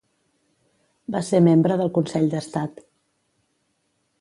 Va ser membre del consell d'estat.